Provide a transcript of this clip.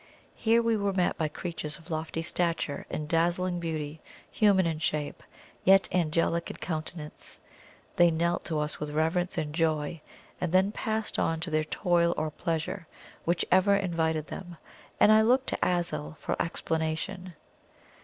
Here we were met by creatures of lofty stature and dazzling beauty, human in shape, yet angelic in countenance. They knelt to us with reverence and joy, and then passed on to their toil or pleasure, whichever invited them, and I looked to Azul for explanation.